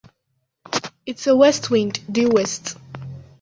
It's a west wind, due west!